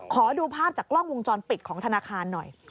ขอดูภาพจากกล้องวงจรปิดของธนาคารหน่อย